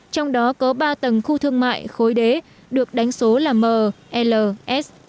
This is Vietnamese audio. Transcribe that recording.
trong đó có ba tầng khu thương mại khối đế được đánh số là mls